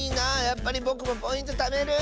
やっぱりぼくもポイントためる！